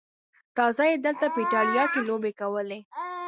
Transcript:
تازه یې دلته په ایټالیا کې لوبې کولې.